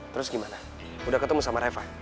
terus gimana udah ketemu sama reva